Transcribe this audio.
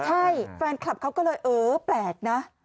ใช่แฟนคลับเขาก็เลยเออแปลกนะ